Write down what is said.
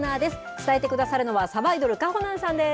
伝えてくださるのは、さばいどる、かほなんさんです。